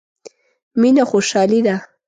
مينه خوشالي ده.